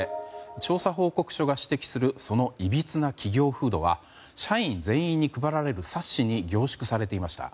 調査報告書が指摘するそのいびつな企業風土は社員全員に配られる冊子に凝縮されていました。